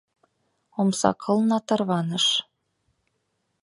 Омса кылна тарваныш -